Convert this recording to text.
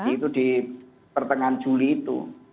itu di pertengahan juli itu